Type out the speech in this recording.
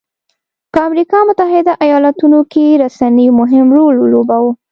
په امریکا متحده ایالتونو کې رسنیو مهم رول ولوباوه.